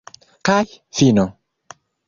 Kaj fino!